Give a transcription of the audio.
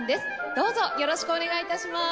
どうぞよろしくお願い致します。